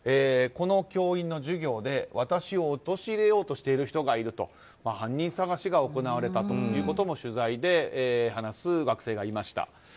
この教員の授業で私を陥れようとしている人がいるということで犯人捜しが行われたということも取材で話す学生がいました。